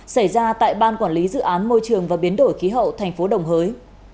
xảy ra tại ban quản lý dự án môi trường và biến đổi khí hậu tp đồng hới